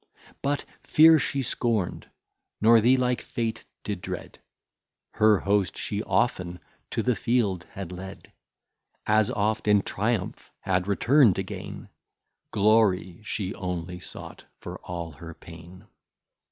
But fear she scorn'd, nor the like fate did dread, Her Host she often to the field had lead, As oft in Triumph had return'd again, Glory she only sought for all her pain.